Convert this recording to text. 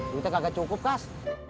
duitnya kagak cukup kas